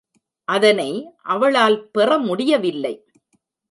அதனை அவளால் பெற முடியவில்லை.